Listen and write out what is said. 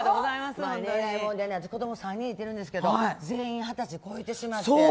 えらいもんで私子供３人いてるんですけど全員二十歳を超えてしまって。